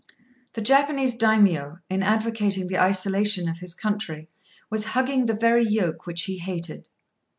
The Japanese Daimio, in advocating the isolation of his country, was hugging the very yoke which he hated.